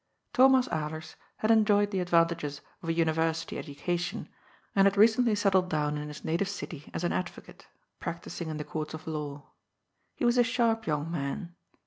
Thomas Alers had enjoyed the advantages of a uni versity education, and had recently settled down in his native city as an advocate, practising in the courts of law. He was a sharp young man.